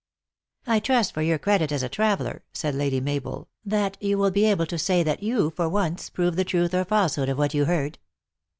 "I trust, for your credit as a traveler," said Lady Mabel, " that you will be able to say that you, for once, proved the truth or falsehood of what you heard."